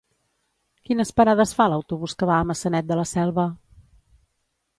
Quines parades fa l'autobús que va a Maçanet de la Selva?